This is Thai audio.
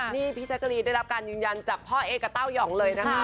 นี่พี่แท้ไปรีได้รับการยึงยันจากพ่อเอ๊กกะเต้ายองเลยนะครับ